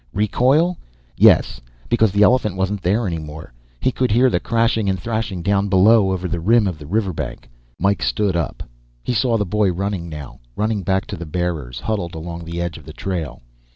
Recoil? Yes, because the elephant wasn't there any more; he could hear the crashing and thrashing down below, over the rim of the river bank. Mike stood up. He saw the boy running now, running back to the bearers huddled along the edge of the trail.